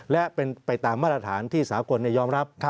และเป็นไปตามมาตรฐานที่สากลยอมรับ